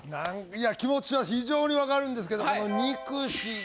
いや気持ちは非常に分かるんですけど「憎し」が。